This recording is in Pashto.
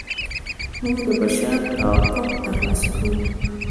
موږ د بشر توافق ترلاسه کوو.